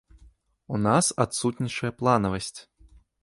У нас адсутнічае планавасць.